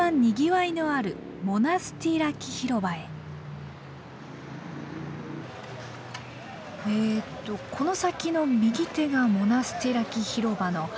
えっとこの先の右手がモナスティラキ広場のはずだけど。